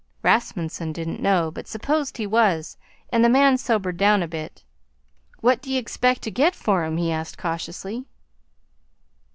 Rasmunsen didn't know, but supposed he was, and the man sobered down a bit. "What d'ye expect to get for 'em?" he asked cautiously.